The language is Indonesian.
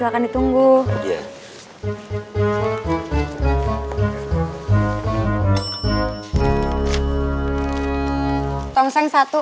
ya ketemu di dukungan